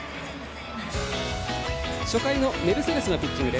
初回のメルセデスのピッチング。